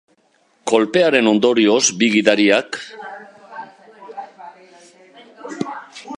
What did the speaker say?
Prest gaude, zure ikusmen eta entzumen osasuna ebaluatzeko teknologia aurreratuena dugularik.